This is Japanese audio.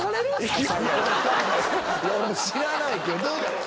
知らないけど。